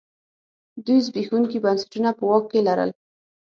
دوی زبېښونکي بنسټونه په واک کې لرل.